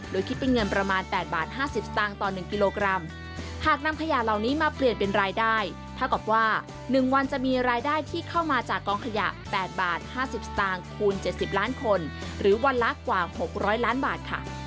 และตอนนี้มาเปลี่ยนเป็นรายได้ถ้าเกิดว่า๑วันจะมีรายได้ที่เข้ามาจากกองขยะ๘บาท๕๐สตางค์คูณ๗๐ล้านคนหรือวันลากกว่า๖๐๐ล้านบาทค่ะ